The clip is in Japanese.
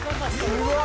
すごい！